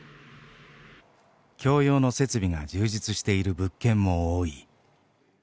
共用の設備が充実している物件も多い。